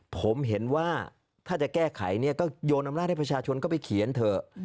ผมเห็นว่าถ้าจะแก้ไขเนี่ยก็โยนอำนาจให้ประชาชนก็ไปเขียนเถอะ